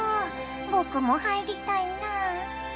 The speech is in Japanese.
僕も入りたいなあ。